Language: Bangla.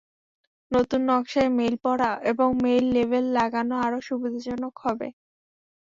নতুন নকশায় মেইল পড়া এবং মেইলে লেবেল লাগানো আরও সুবিধাজনক হবে।